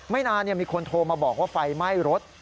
ไม่นานเนี่ยมีคนโทรมาบอกว่าไฟไหม้รถ